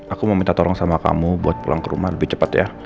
aku mau minta tolong sama kamu buat pulang ke rumah lebih cepat ya